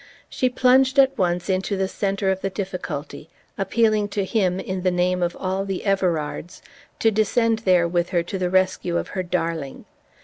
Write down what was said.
She plunged at once into the centre of the difficulty, appealing to him, in the name of all the Everards, to descend there with her to the rescue of her darling.